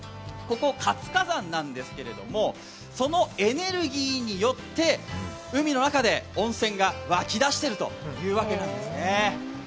ここ、活火山なんですけど、そのエネルギーによって海の中で温泉が湧き出しているというわけなんですね。